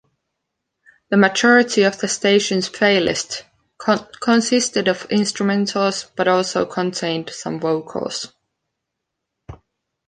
The majority of the station's playlist consisted of instrumentals, but also contained some vocals.